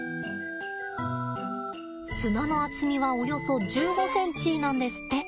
砂の厚みはおよそ１５ｃｍなんですって。